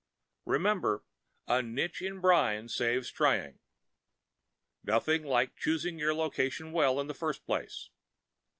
Remember, a niche in brine saves trying. Nothing like choosing your location well in the first place.